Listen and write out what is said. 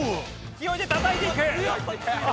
勢いでたたいていく！